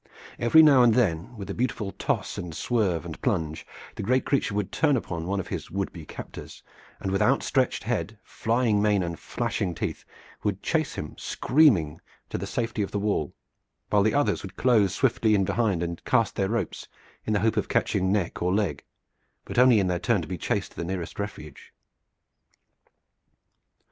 Every now and then, with a beautiful toss and swerve and plunge, the great creature would turn upon one of his would be captors, and with outstretched head, flying mane and flashing teeth, would chase him screaming to the safety of the wall, while the others would close swiftly in behind and cast their ropes in the hope of catching neck or leg, but only in their turn to be chased to the nearest refuge.